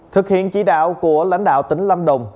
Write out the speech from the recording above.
thực hiện chỉ đạo của lãnh đạo tỉnh lâm đồng